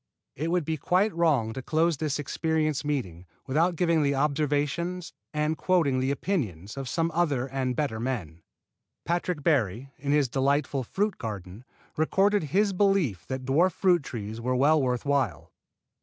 It would be quite wrong to close this experience meeting without giving the observations and quoting the opinions of some other and better men. Patrick Barry, in his delightful "Fruit Garden," recorded his belief that dwarf fruit trees were well worth while.